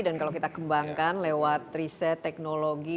untuk melakukan penyelesaian teknologi